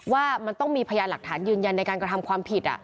ว่ามันต้องมีพยานหลักฐานยืนยันในการกระทำความผิด